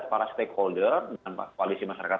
para stakeholder dan koalisi masyarakat